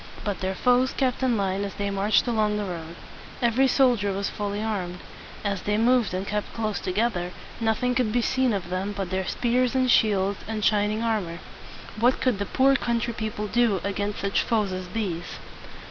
But their foes kept in line as they marched along the road. Every soldier was fully armed. As they moved and kept close together, nothing could be seen of them but their spears and shields and shining armor. What could the poor country people do against such foes as these?